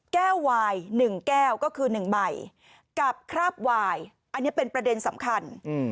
วาย๑แก้วก็คือ๑ใบกับคราบวายอันนี้เป็นประเด็นสำคัญ